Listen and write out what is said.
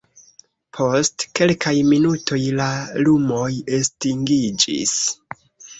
Post kelkaj minutoj, la lumoj estingiĝis.